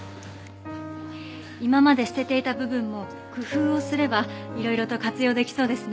今まで捨てていた部分も工夫をすればいろいろと活用できそうですね。